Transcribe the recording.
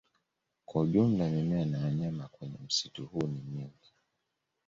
Kwa ujumla mimea na wanyama kwenye msitu huu ni mingi